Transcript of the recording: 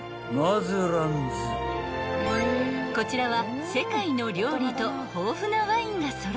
［こちらは］